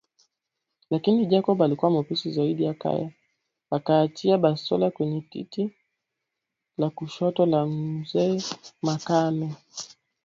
Lakini Jacob alikuwa mwepesi zaidi akaachia bastola kwenye titi la kushoto la mzee Makame